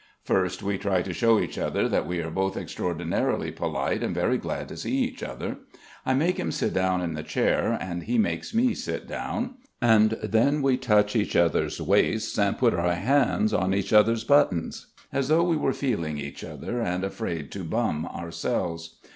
First we try to show each other that we are both extraordinarily polite and very glad to see each other. I make him sit down in the chair, and he makes me sit down; and then we touch each other's waists, and put our hands on each other's buttons, as though we were feeling each other and afraid to bum ourselves.